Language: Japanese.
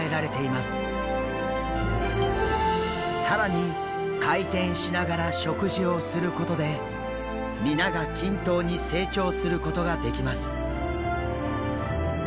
更に回転しながら食事をすることで皆が均等に成長することができます。